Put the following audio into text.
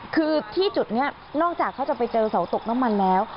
คือที่จุดนี้นอกจากเขาจะไปเจอเสาตกน้ำมันแล้ว